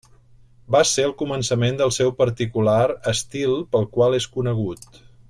Va ser el començament del seu particular estil pel qual és conegut.